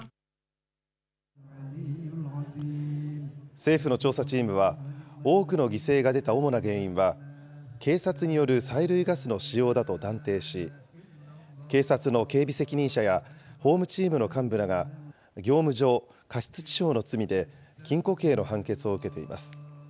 政府の調査チームは、多くの犠牲が出た主な原因は、警察による催涙ガスの使用だと断定し、警察の警備責任者やホームチームの幹部らが、業務上過失致死傷の罪で禁錮刑の判決を受けています。